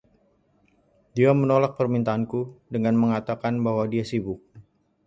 Dia menolak permintaanku dengan mengatakan bahwa dia sibuk.